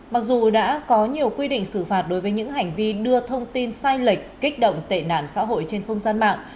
mặc dù đã có nhiều quy định xử phạt đối với những hành vi đưa thông tin sai lệch kích động tệ nạn xã hội trên không gian mạng